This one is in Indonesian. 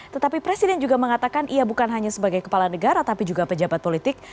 tetapi presiden juga mengatakan ia bukan hanya sebagai kepala negara tapi juga pejabat politik